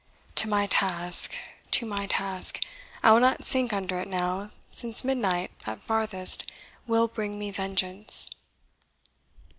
To my task to my task! I will not sink under it now, since midnight, at farthest, will bring me vengeance."